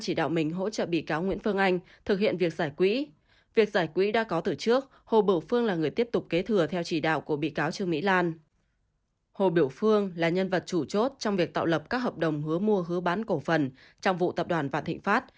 hồ biểu phương là nhân vật chủ chốt trong việc tạo lập các hợp đồng hứa mua hứa bán cổ phần trong vụ tập đoàn vạn thịnh pháp